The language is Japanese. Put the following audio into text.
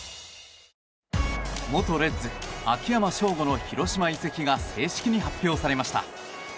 元レッズ、秋山翔吾の広島移籍が正式に発表されました。